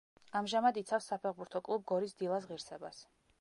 ამჟამად იცავს საფეხბურთო კლუბ გორის „დილას“ ღირსებას.